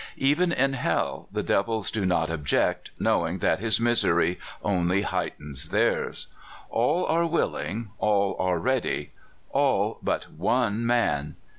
Even in hell, the devils do not object, knowing that his misery only heightens theirs. All are willing, all are ready all but one man.